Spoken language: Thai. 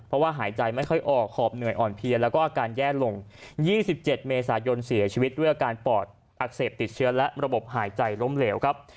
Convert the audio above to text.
เพราะว่าหายใจไม่ค่อยออกหอบเหนื่อยอ่อนเพลียแล้วก็อาการแย่ลง๒๗เมษายนเสียชีวิตด้วยอาการปอดอักเสบติดเชื้อและระบบหายใจล้มเหลวครับ